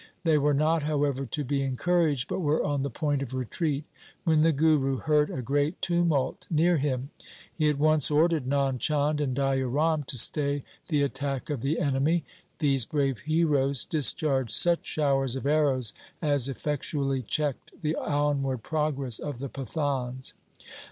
They were not, however, to be encouraged, but were on the point of retreat when the Guru heard a great tumult near him. He at once ordered Nand Chand and Daya Ram to stay the attack of the enemy. These brave heroes discharged such showers of arrows as effectually checked the onward progress of the Pathans.